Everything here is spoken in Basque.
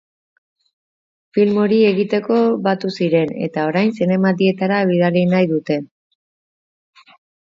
Film hori egiteko batu ziren, eta orain zinemaldietara bidali nahi dute.